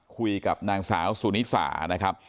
คุยกับนางสาวสุนิสานะครับ